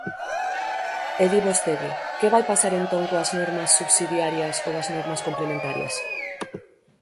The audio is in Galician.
E di vostede: ¿que vai pasar entón coas normas subsidiarias ou as normas complementarias?